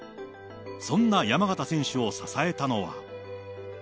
そんな山縣選手を支えたのは。